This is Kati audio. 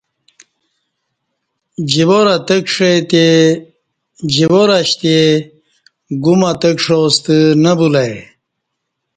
جوار اشتے گُم اتکݜا ستہ نہ بُلہ ای